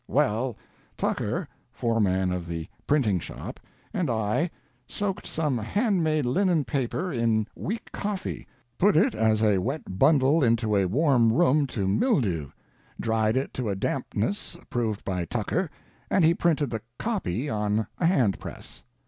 "Well, Tucker [foreman of the printing shop] and I soaked some handmade linen paper in weak coffee, put it as a wet bundle into a warm room to mildew, dried it to a dampness approved by Tucker and he printed the 'copy' on a hand press.